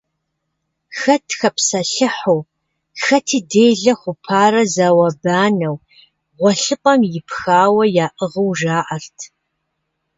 Хэт хэпсэлъыхьу, хэти делэ хъупарэ зауэ-банэу, гъуэлъыпӏэм ипхауэ яӏыгъыу жаӏэрт.